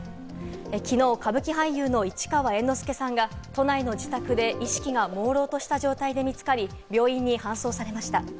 きのう歌舞伎俳優の市川猿之助さんが都内の自宅で意識がもうろうとした状態で見つかり、病院に搬送されました。